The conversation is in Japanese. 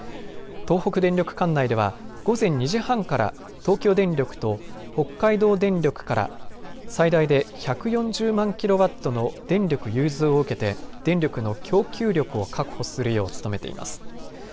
東北電力管内では午前２時半から東京電力と北海道電力から最大で１４０万ｋＷの電力融通を受けて電力の供給力を確保するよう努めています。